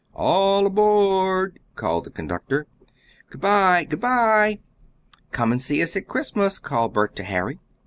"All aboard!" called the conductor. "Good by!" "Good by!" "Come and see us at Christmas!" called Bert to Harry.